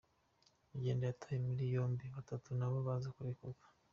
Uganda yataye muri yombi batatu nabo baza kurekurwa.